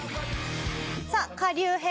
さあ下流編